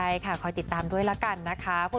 ใช่ค่ะคอยติดตามด้วยละกันนะคะ